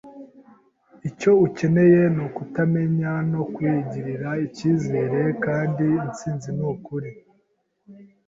Icyo ukeneye nukutamenya no kwigirira icyizere kandi intsinzi nukuri.